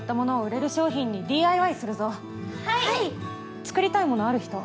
作りたいものある人？